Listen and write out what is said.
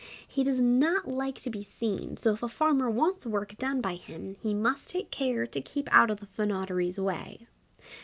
He does not like to be seen, so if a farmer wants work done by him, he must take care to keep out of the Fynoderee's way.